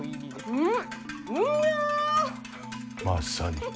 うん？